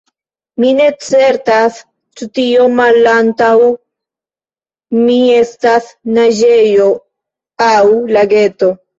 Mi ne certas ĉu tio, malantaŭ mi, estas naĝejo aŭ lageto.